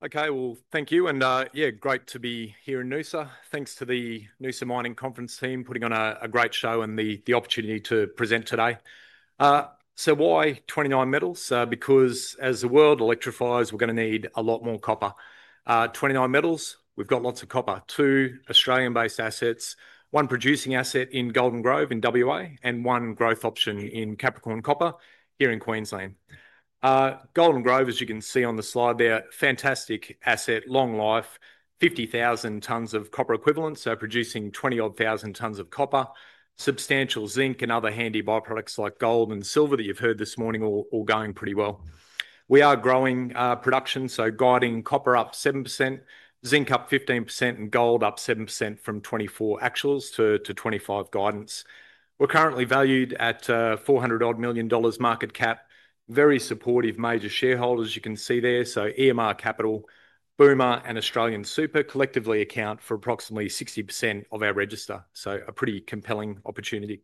Thank you. Yeah, great to be here in Noosa. Thanks to the Noosa Mining Conference team for putting on a great show and the opportunity to present today. Why 29Metals? Because as the world electrifies, we're going to need a lot more copper. 29Metals, we've got lots of copper, two Australian-based assets, one producing asset in Golden Grove in Western Australia, and one growth option in Capricorn Copper here in Queensland. Golden Grove, as you can see on the slide there, fantastic asset, long life, 50,000 tons of copper equivalent, producing 20-odd thousand tons of copper, substantial zinc, and other handy byproducts like gold and silver that you've heard this morning, all going pretty well. We are growing our production, guiding copper up 7%, zinc up 15%, and gold up 7% from 2024 actuals to 2025 guidance. We're currently valued at $400 million market cap, very supportive major shareholders you can see there, EMR Capital, Boomer, and AustralianSuper collectively account for approximately 60% of our register, a pretty compelling opportunity.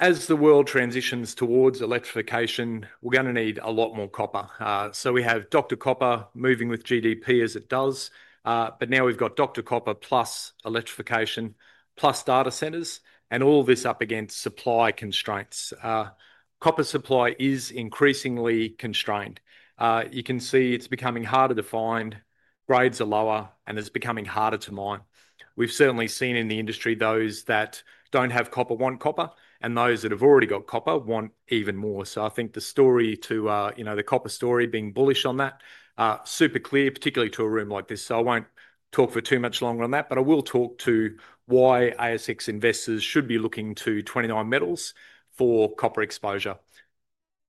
As the world transitions towards electrification, we're going to need a lot more copper. We have Doctor Copper moving with GDP as it does, but now we've got Doctor Copper plus electrification plus data centers and all of this up against supply constraints. Copper supply is increasingly constrained. You can see it's becoming harder to find, grades are lower, and it's becoming harder to mine. We've certainly seen in the industry those that don't have copper want copper, and those that have already got copper want even more. I think the copper story being bullish on that is super clear, particularly to a room like this. I won't talk for too much longer on that, but I will talk to why ASX investors should be looking to 29Metals for copper exposure.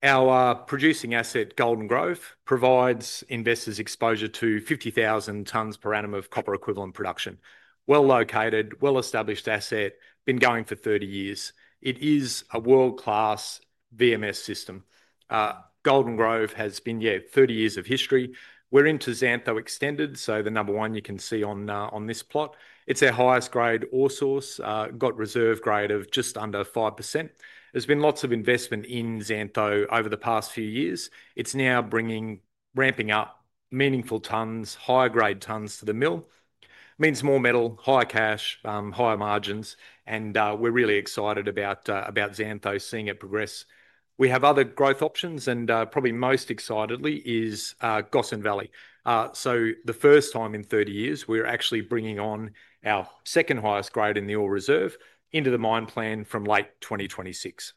Our producing asset, Golden Grove, provides investors exposure to 50,000 tons per annum of copper equivalent production. Well located, well established asset, been going for 30 years. It is a world-class VMS system. Golden Grove has been 30 years of history. We're into Xantho Extended, the number one you can see on this plot. It's their highest grade ore source, got a reserve grade of just under 5%. There's been lots of investment in Xantho over the past few years. It's now bringing, ramping up meaningful tons, higher grade tons to the mill. Means more metal, higher cash, higher margins, and we're really excited about Xantho seeing it progress. We have other growth options, and probably most excitedly is Gossan Valley. For the first time in 30 years, we're actually bringing on our second highest grade in the ore reserve into the mine plan from late 2026.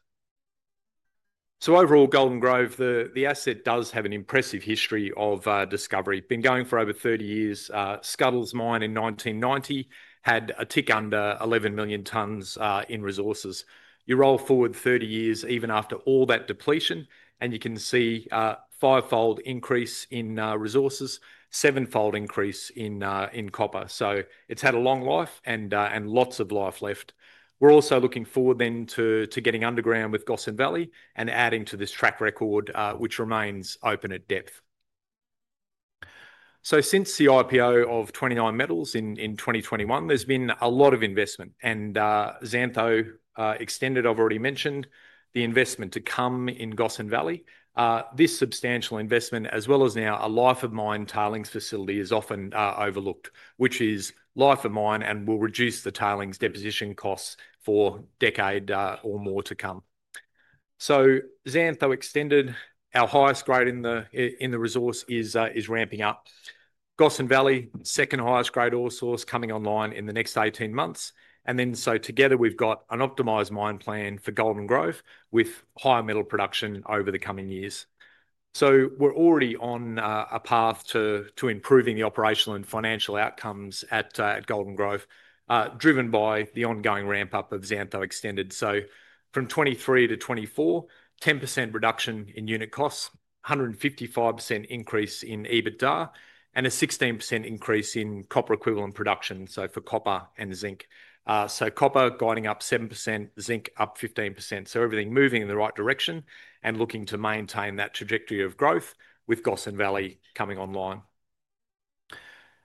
Overall, Golden Grove, the asset does have an impressive history of discovery. Been going for over 30 years. Scuddles Mine in 1990 had a tick under 11 million tons in resources. You roll forward 30 years, even after all that depletion, and you can see a five-fold increase in resources, seven-fold increase in copper. It's had a long life and lots of life left. We're also looking forward to getting underground with Gossan Valley and adding to this track record, which remains open at depth. Since the IPO of 29Metals in 2021, there's been a lot of investment, and Xantho Extended, I've already mentioned, the investment to come in Gossan Valley. This substantial investment, as well as now a Life of Mine tailings facility, is often overlooked, which is Life of Mine and will reduce the tailings deposition costs for a decade or more to come. Xantho Extended, our highest grade in the resource, is ramping up. Gossan Valley, second highest grade ore source, coming online in the next 18 months. Together we've got an optimized mine plan for Golden Grove with high metal production over the coming years. We're already on a path to improving the operational and financial outcomes at Golden Grove, driven by the ongoing ramp up of Xantho Extended. From 2023 to 2024, 10% reduction in unit costs, 155% increase in EBITDA, and a 16% increase in copper equivalent production, for copper and zinc. Copper guiding up 7%, zinc up 15%. Everything moving in the right direction and looking to maintain that trajectory of growth with Gossan Valley coming online.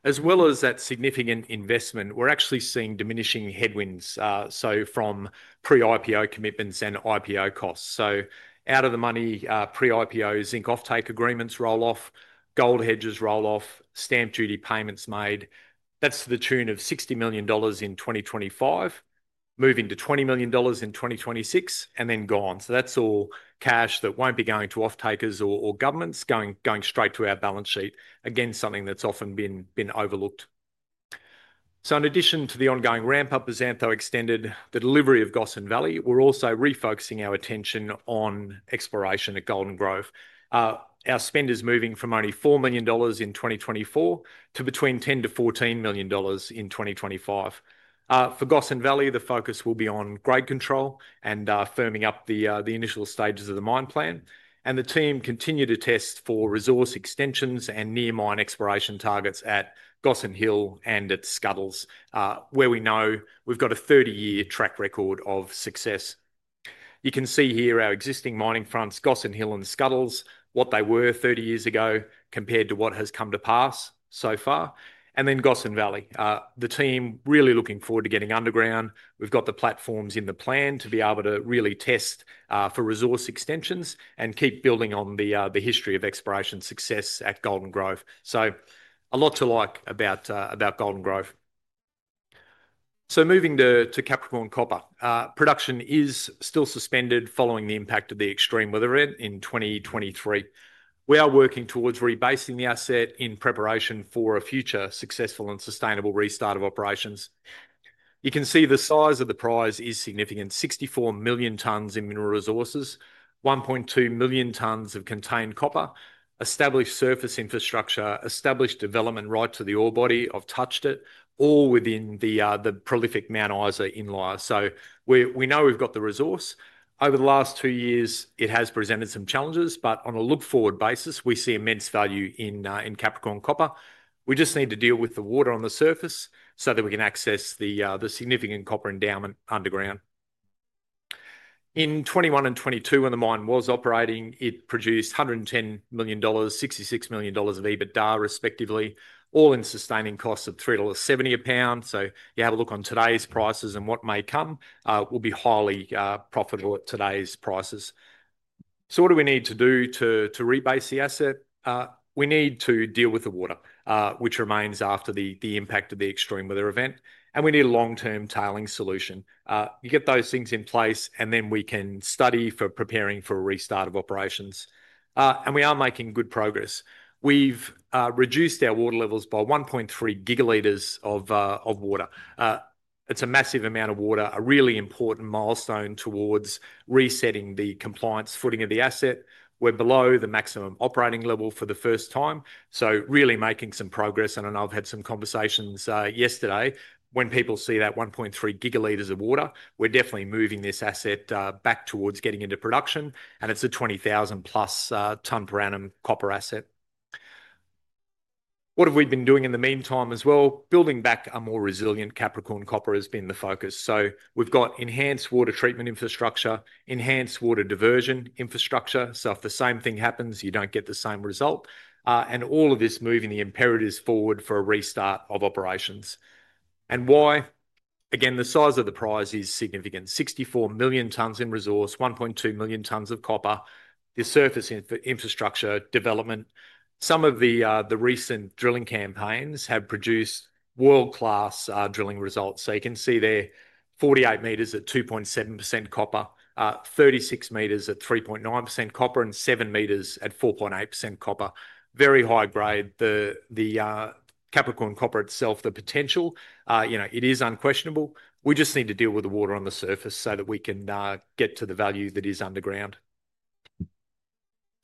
As well as that significant investment, we're actually seeing diminishing headwinds from pre-IPO commitments and IPO costs. Out of the money, pre-IPO zinc offtake agreements roll off, gold hedges roll off, stamp duty payments made. That's to the tune of $60 million in 2025, moving to $20 million in 2026, and then gone. That's all cash that won't be going to offtakers or governments, going straight to our balance sheet. Again, something that's often been overlooked. In addition to the ongoing ramp up of Xantho Extended, the delivery of Gossan Valley, we're also refocusing our attention on exploration at Golden Grove. Our spend is moving from only $4 million in 2024 to between $10 million-$14 million in 2025. For Gossan Valley, the focus will be on grade control and firming up the initial stages of the mine plan. The team continues to test for resource extensions and near mine exploration targets at Gossan Hill and at Scuddles, where we know we've got a 30-year track record of success. You can see here our existing mining fronts, Gossan Hill and Scuddles, what they were 30 years ago compared to what has come to pass so far. Gossan Valley, the team really looking forward to getting underground. We've got the platforms in the plan to be able to really test for resource extensions and keep building on the history of exploration success at Golden Grove. There is a lot to like about Golden Grove. Moving to Capricorn Copper, production is still suspended following the impact of the extreme weather event in 2023. We are working towards rebasing the asset in preparation for a future successful and sustainable restart of operations. You can see the size of the prize is significant: 64 million tons in mineral resources, 1.2 million tons of contained copper, established surface infrastructure, established development right to the ore body of Touchdit, all within the prolific Mount Isa inlier. We know we've got the resource. Over the last two years, it has presented some challenges, but on a look-forward basis, we see immense value in Capricorn Copper. We just need to deal with the water on the surface so that we can access the significant copper endowment underground. In 2021 and 2022, when the mine was operating, it produced $110 million and $66 million of EBITDA respectively, all-in sustaining costs of $3.70 a pound. If you have a look on today's prices and what may come, it will be highly profitable at today's prices. To rebase the asset, we need to deal with the water, which remains after the impact of the extreme weather event, and we need a long-term tailings solution. You get those things in place, and then we can study for preparing for a restart of operations. We are making good progress. We've reduced our water levels by 1.3 GL of water. It's a massive amount of water, a really important milestone towards resetting the compliance footing of the asset. We're below the maximum operating level for the first time, so really making some progress. I've had some conversations yesterday when people see that 1.3 GL of water, we're definitely moving this asset back towards getting into production, and it's a 20,000+ tonne per annum copper asset. What have we been doing in the meantime as well? Building back a more resilient Capricorn Copper has been the focus. We've got enhanced water treatment infrastructure, enhanced water diversion infrastructure, so if the same thing happens, you don't get the same result. All of this is moving the imperatives forward for a restart of operations. Why? Again, the size of the prize is significant. 64 million tons in resource, 1.2 million tons of copper, the surface infrastructure development. Some of the recent drilling campaigns have produced world-class drilling results. You can see there 48 m at 2.7% copper, 36 m at 3.9% copper, and 7 m 4.8% copper. Very high grade. The Capricorn Copper itself, the potential, you know, it is unquestionable. We just need to deal with the water on the surface so that we can get to the value that is underground.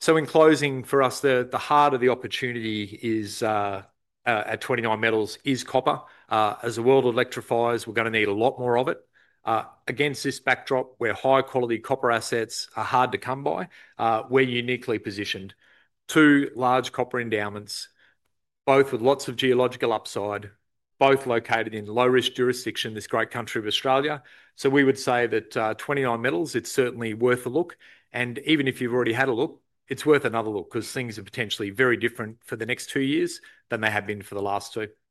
In closing, for us, the heart of the opportunity at 29Metals is copper. As the world electrifies, we're going to need a lot more of it. Against this backdrop, where high-quality copper assets are hard to come by, we're uniquely positioned. Two large copper endowments, both with lots of geological upside, both located in low-risk jurisdiction, this great country of Australia. We would say that 29Metals, it's certainly worth a look. Even if you've already had a look, it's worth another look because things are potentially very different for the next two years than they have been for the last two. Thank you.